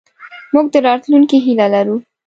موږ د راتلونکې هیله لرو.